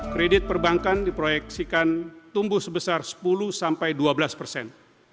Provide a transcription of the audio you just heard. kredit perbankan diproyeksikan tumbuh sebesar sepuluh sampai dua belas persen